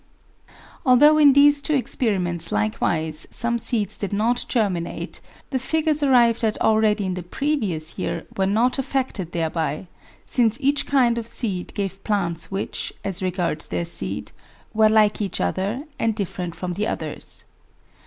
Although in these two experiments likewise some seeds did not germinate, the figures arrived at already in the previous year were not affected thereby, since each kind of seed gave plants which, as regards their seed, were like each other and different from the others.